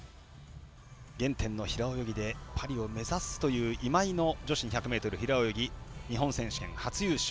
原点の平泳ぎでパリを目指すという今井の、女子２００ｍ平泳ぎ日本選手権、初優勝。